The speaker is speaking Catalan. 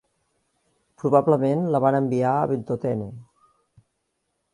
Probablement la van enviar a Ventotene.